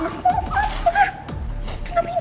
maaf nanti aku bisa berdampak